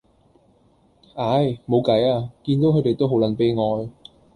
唉，冇計呀，見到佢哋都好撚悲哀